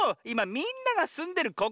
いまみんながすんでる